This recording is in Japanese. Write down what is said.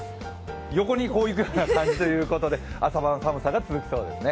横にいくような感じということで、朝晩寒さが続くそうですね。